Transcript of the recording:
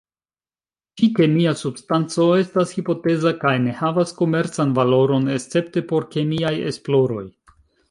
Ĉi-kemia substanco estas hipoteza kaj ne havas komercan valoron, escepte por kemiaj esploroj.